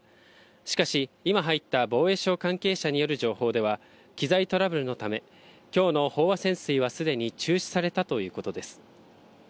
しかし、今入った防衛省関係者による情報では、機材トラブルのため、きょうの飽和潜水はすでに中止されたということです。